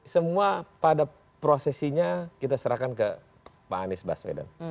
semua pada prosesinya kita serahkan ke pak anies baswedan